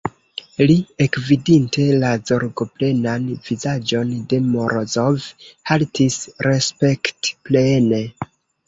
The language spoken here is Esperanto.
Li, ekvidinte la zorgoplenan vizaĝon de Morozov, haltis respektplene.